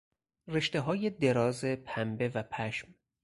رشتههای دراز پنبه و پشم